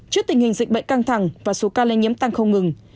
trước tình hình dịch bệnh căng thẳng và số ca lây nhiễm tăng không ngừng